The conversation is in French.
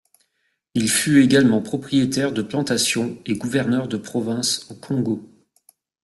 Il fut également propriétaire de plantations et gouverneur de province au Congo.